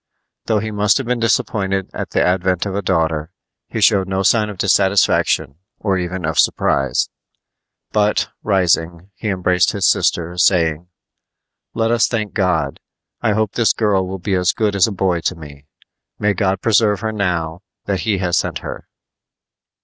Though he must have been disappointed at the advent of a daughter, he showed no sign of dissatisfaction or even of surprise; but, rising, he embraced his sister, saying: "Let us thank God. I hope this girl will be as good as a boy to me. May God preserve her now that He has sent her!"